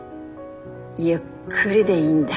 ゆっくりでいいんだ。